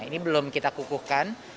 ini belum kita kukuhkan